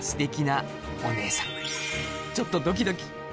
ちょっとドキドキ！